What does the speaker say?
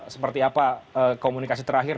seperti apa komunikasi terakhir